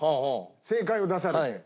正解を出されて。